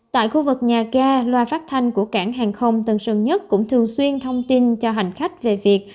tại khu vực nhà ga loa phát thanh của cảng hàng không tân sơn nhất cũng thường xuyên thông tin cho hành khách về việc